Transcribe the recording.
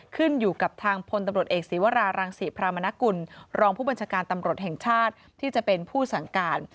ขึ้นอยู่กับทางพลตำรวจเอกศีวรารังศรีพรามนกุลรองผู้บัญชาการตำรวจแห่งชาติที่จะเป็นผู้สั่งการ